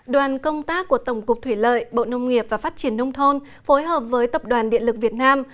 đoàn công tác của tổng cục thủy lợi bộ nông nghiệp và phát triển nông thôn phối hợp với tập đoàn điện lực việt nam